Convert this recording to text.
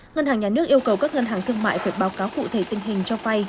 ngân hàng nhà nước yêu cầu các ngân hàng thương mại phải báo cáo cụ thể tình hình cho vay